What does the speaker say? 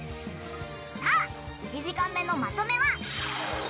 さあ１時間目のまとめは。